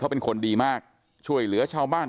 เป็นคนดีมากช่วยเหลือชาวบ้าน